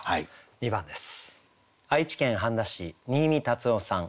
２番です。